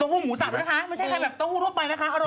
โต๊ะหู้หมูสับด้วยนะคะไม่ใช่แบบโต๊ะหู้ทั่วไปนะคะอร่อยมาก